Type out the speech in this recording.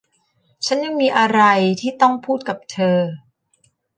ฉันยังมีอะไรที่ต้องพูดกับเธอ